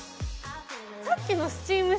さっきのスチーム式